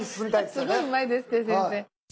すごいうまいです先生。